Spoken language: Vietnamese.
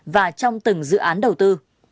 và trong từng dự án đầu tư